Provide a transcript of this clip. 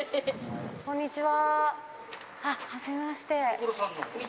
こんにちは。